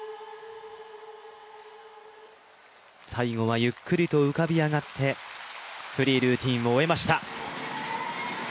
最後はゆっくりと浮かび上がって、フリールーティンを終えました。